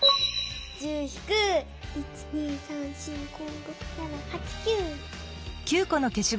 １０ひく１２３４５６７８９。